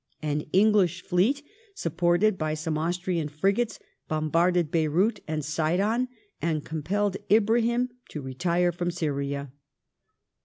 An English fleet, supported by some Austrian frigates, bombarded Beyrout and Sidon, and compelled Ibrahim to retire from Syria.